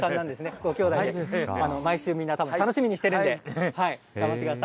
ご兄弟で、毎週みんな、たぶん楽しみにしているんで、頑張ってください。